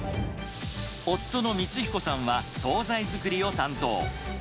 夫の光彦さんは総菜作りを担当。